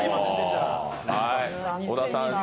小田さん